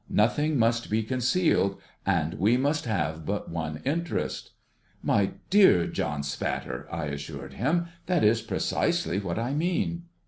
Nothing must be concealed, and we must have but one interest.' ' My dear John Spatter,' I assured him, ' that is precisely what I mean.'